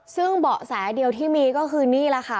ซึ่งเบาะแสเดียวที่มีก็คือนี่แหละค่ะ